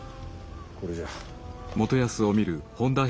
これじゃ。